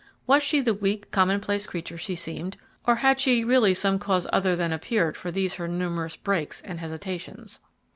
Was she the weak common place creature she seemed, or had she really some cause other than appeared for these her numerous breaks and hesitations.